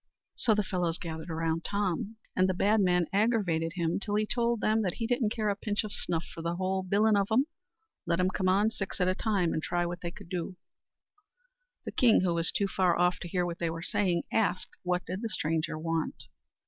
So the fellows gathered round Tom, and the bad man aggravated him till he told them he didn't care a pinch o' snuff for the whole bilin' of 'em; let 'em come on, six at a time, and try what they could do. The king, who was too far off to hear what they were saying, asked what did the stranger want.